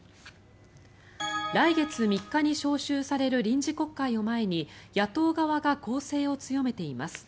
来月３日に召集される臨時国会を前に野党側が攻勢を強めています。